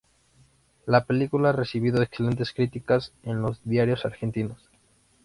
La película ha recibido excelentes críticas en los diarios argentinos.